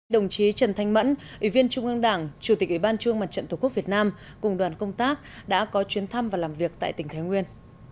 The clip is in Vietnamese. đồng chí trần thanh mẫn ủy viên trung ương đảng chủ tịch ủy ban trung mặt trận tổ quốc việt nam cùng đoàn công tác đã có chuyến thăm và làm việc tại tỉnh thái nguyên